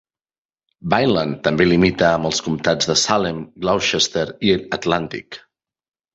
Vineland també limita amb els comptats de Salem, Gloucester i Atlantic.